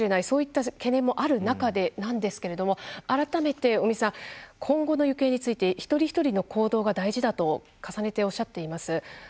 そういった懸念もある中でなんですけど改めて、今後の行方について一人一人の行動が大事だと重ねておっしゃっています。